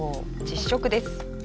実食です。